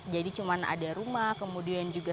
jadi cuma ada rumah kemudian juga